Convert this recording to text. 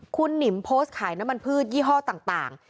คุณหนิมโพสต์ขายน้ำมันพืชยี่ห้อต่าง